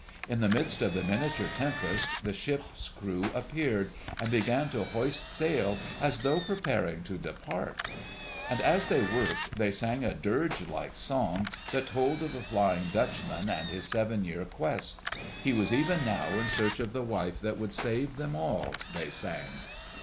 In the midst of the miniature tempest, the ship's crew appeared and began to hoist sail as though preparing to depart; and as they worked they sang a dirge like song that told of the Flying Dutchman and his seven year quest. He was even now in search of the wife that would save them all, they sang.